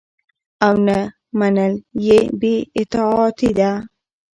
او نه منل يي بي اطاعتي ده